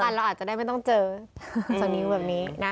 เราอาจจะได้ไม่ต้องเจอสนิ้วแบบนี้นะ